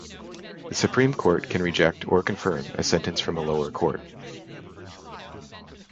The Supreme Court can reject, or confirm, a sentence from a lower court.